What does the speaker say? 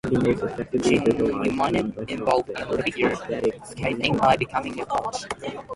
Chin remained involved in figure skating by becoming a coach.